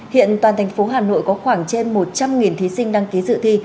hiện toàn thành phố hà nội có khoảng trên một trăm linh thí sinh đăng ký dự thi